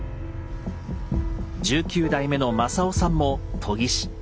１９代目の雅夫さんも研ぎ師。